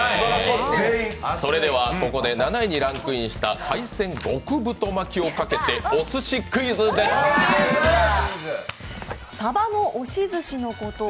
それではここで７位にランクインした海鮮極太巻をかけてお寿司クイズです。